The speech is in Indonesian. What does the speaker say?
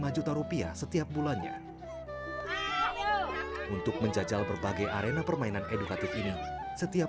lima juta rupiah setiap bulannya untuk menjajal berbagai arena permainan edukatif ini setiap